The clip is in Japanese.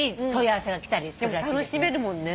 楽しめるもんね。